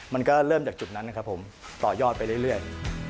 มันก็เริ่มจากจุดนั้นนะครับผมต่อยอดไปเรื่อย